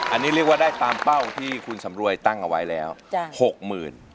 อันนี้เรียกว่าได้ตามเป้าที่คุณสำรวยตั้งเอาไว้แล้ว๖๐๐๐บาท